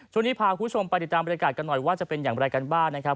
ช่วงนี้พาคุณผู้ชมไปติดตามบริการกันหน่อยว่าจะเป็นอย่างไรกันบ้างนะครับ